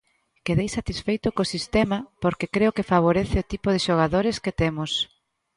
Quedei satisfeito co sistema porque creo que favorece o tipo de xogadores que temos.